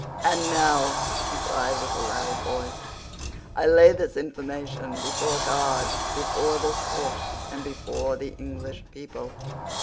"And now," he cried with a loud voice, "I lay this information before God, before this court, and before the English people.